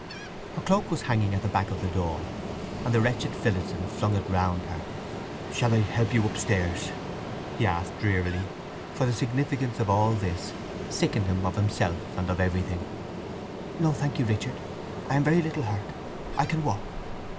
Her cloak was hanging at the back of the door, and the wretched Phillotson flung it round her. "Shall I help you upstairs?" he asked drearily; for the significance of all this sickened him of himself and of everything. "No thank you, Richard. I am very little hurt. I can walk."